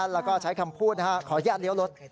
แล้วก็ใช้คำพูดนะฮะขอแยกเลี้ยวรถ